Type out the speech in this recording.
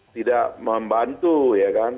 tidak membantu ya kan